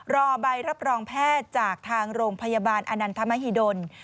รอใบรับรองแพทย์จากทางโรงพยาบาลอนันทมหิดล